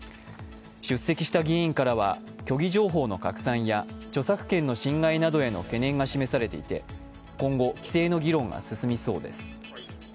出席した議員からは、虚偽情報の拡散や著作権の侵害などへの懸念が示されていて今後、規制の議論が進みそうです。